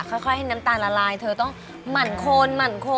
ค่อยเห็นน้ำตาลละลายเธอต้องหมั่นคน